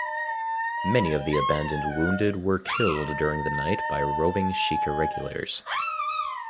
Many of the abandoned wounded were killed during the night by roving Sikh irregulars.